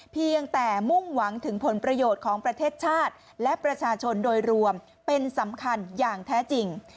เพียงแต่มุ่งหวังถึงผลประโยชน์ของประเทศชาติและประชาชนโดยรวมเป็นสำคัญอย่างแท้จริง